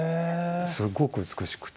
すっごく美しくて。